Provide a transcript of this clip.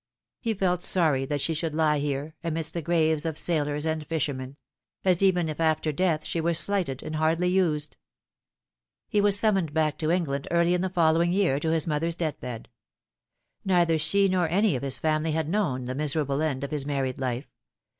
He felt sorry that she should lie here, amidst the graves of sailors and fishermen as even if after death she were slighted and hardly used. He was summoned back to England early in the following year to his mother's death bed. Neither she nor any of his family had known the miserable end of his married life.